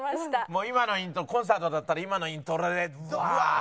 もう今のイントロコンサートだったら今のイントロでワーッ！